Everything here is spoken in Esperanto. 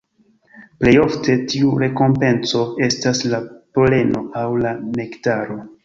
Plej ofte tiu rekompenco estas la poleno aŭ la nektaro.